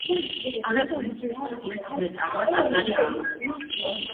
აღებული ფულით ნეტარმა ტაძარი ააგო.